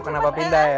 oh kenapa pindah ya